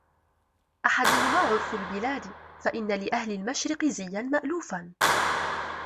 أَحَدُهُمَا عُرْفُ الْبِلَادِ فَإِنَّ لِأَهْلِ الْمَشْرِقِ زِيًّا مَأْلُوفًا